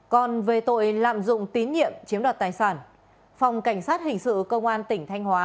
còn về tội lạm dụng tín nhiệm chiếm đoạt tài sản phòng cảnh sát hình sự công an tỉnh thanh hóa